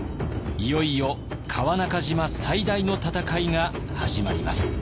いよいよ川中島最大の戦いが始まります。